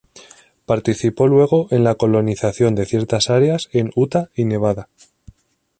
Participó luego en la colonización de ciertas áreas en Utah y Nevada.